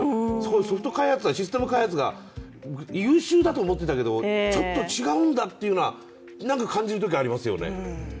ソフト開発、システム開発が優秀だと思っていたけどちょっと違うんだというのは何か感じるときがありますよね。